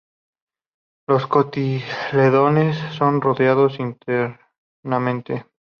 Los cotiledones son rosados internamente.